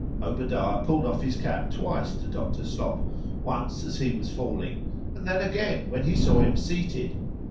Obadiah pull'd off his cap twice to Dr. Slop;—once as he was falling,—and then again when he saw him seated.